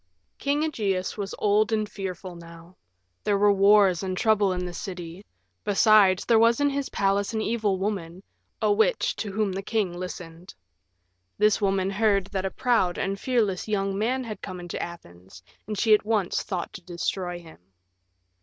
King Ægeus was old and fearful now: there were wars and troubles in the city; besides, there was in his palace an evil woman, a witch, to whom the king listened. This woman heard that a proud and fearless young man had come into Athens, and she at once thought to destroy him.